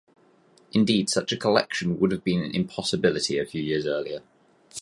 Indeed such a collection would have been an impossibility a few years earlier.